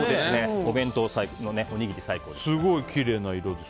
お弁当のおにぎりに最高です。